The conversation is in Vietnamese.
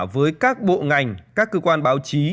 với các bộ ngành các cơ quan báo chí